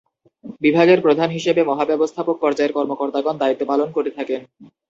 বিভাগের প্রধান হিসেবে মহাব্যবস্থাপক পর্যায়ের কর্মকর্তাগণ দায়িত্ব পালন করে থাকেন।